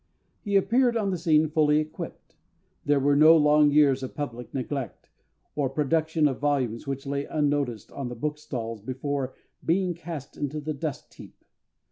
He appeared on the scene fully equipped. There were no long years of public neglect, or production of volumes which lay unnoticed on the bookstalls before being cast into the dust heap.